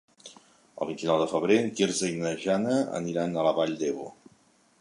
El vint-i-nou de febrer en Quirze i na Jana aniran a la Vall d'Ebo.